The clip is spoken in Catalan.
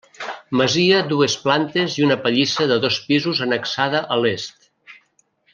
Masia dues plantes i una pallissa de dos pisos annexada a l'est.